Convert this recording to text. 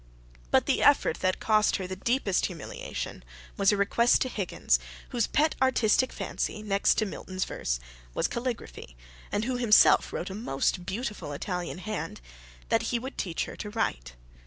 But the effort that cost her the deepest humiliation was a request to Higgins, whose pet artistic fancy, next to Milton's verse, was calligraphy, and who himself wrote a most beautiful Italian hand, that he would teach her to write.